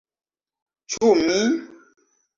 - Ĉu mi?